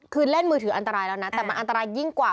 คือเล่นมือถืออันตรายแล้วนะแต่มันอันตรายยิ่งกว่า